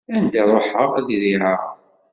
Anda ruḥeɣ, ad riɛeɣ.